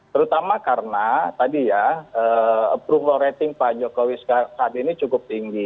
terutama karena tadi ya approval rating pak jokowi saat ini cukup tinggi